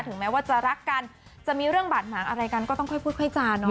แม้ว่าจะรักกันจะมีเรื่องบาดหมางอะไรกันก็ต้องค่อยพูดค่อยจานเนาะ